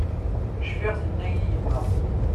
Cfiɣ tenna-yi yemma.